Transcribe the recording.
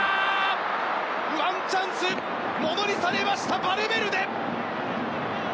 ワンチャンスをものにされましたバルベルデ！